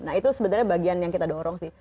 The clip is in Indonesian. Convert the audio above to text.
nah itu sebenarnya bagian yang kita dorong sih